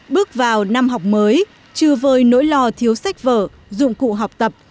bước vào năm học mới chư vơi nỗi lo thiếu sách vở dụng cụ học tập